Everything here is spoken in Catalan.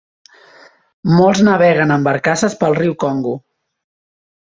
Molts naveguen en barcasses pel riu Congo.